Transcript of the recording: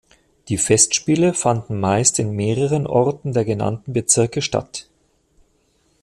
Die Festspiele fanden meist in mehreren Orten der genannten Bezirke statt.